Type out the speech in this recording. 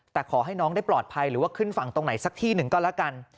แต่ขอให้น้องได้ปลอดภัยหรือว่าขึ้นฝั่งตรงไหนสักที่หนึ่งก็แล้วกัน